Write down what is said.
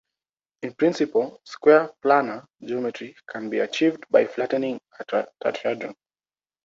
In principle, square planar geometry can be achieved by flattening a tetrahedron.